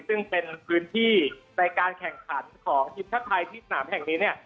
ซึ่งเป็นพื้นที่ในการแข่งขันของชีวิตชะไพที่สนามแห่งนี้